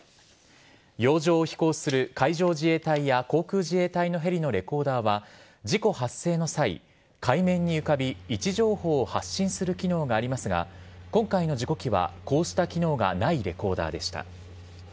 洋上を飛行する海上自衛隊や航空自衛隊のヘリのレコーダーは事故発生の際、海面に浮かび位置情報を発信する機能がありますが今回の事故機はこうした機能がないレコーダーでした。